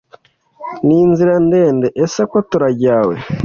ninzira ndende ese ko turajyawe